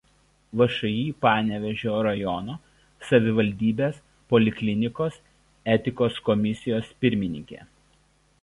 VšĮ Panevėžio rajono savivaldybės poliklinikos etikos komisijos pirmininkė.